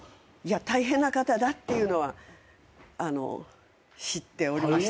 大変な方だっていうのはあの知っておりました。